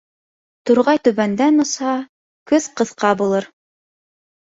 Турғай түбәндән осһа, көҙ ҡыҫҡа булыр.